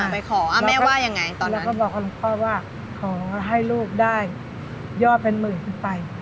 ไปขออะแม่ไหว้ยังไงตอนนั้นแล้วก็บอกกับลูกพ่อว่าขอให้ลูกได้ยอดเป็นหมื่นขึ้นไป